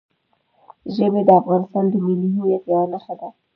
ژبې د افغانستان د ملي هویت یوه نښه ده.